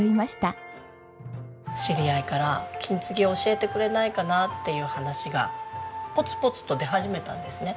知り合いから金継ぎ教えてくれないかなっていう話がポツポツと出始めたんですね。